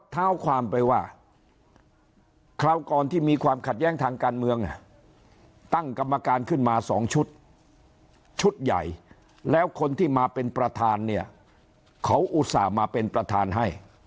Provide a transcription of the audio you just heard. เท้าความไปว่าคราวก่อนที่มีความขัดแย้งทางการเมืองตั้งกรรมการขึ้นมา๒ชุดชุดใหญ่แล้วคนที่มาเป็นประธานเนี่ยเขาอุตส่าห์มาเป็นประธานให้